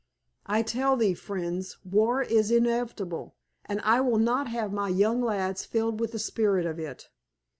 I tell thee, friends, war is inevitable, and I will not have my young lads filled with the spirit of it.